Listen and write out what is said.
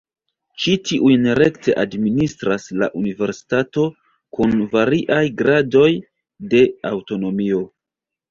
Ĉi tiujn rekte administras la universitato kun variaj gradoj de aŭtonomio.